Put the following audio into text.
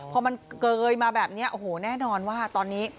พอมันเกยมาแบบนี้โอ้โหแน่นอนว่าตอนนี้